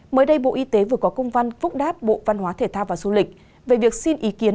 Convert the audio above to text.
mới đây bộ y tế vừa có công văn phúc đáp bộ văn hóa thể thao và du lịch về việc xin ý kiến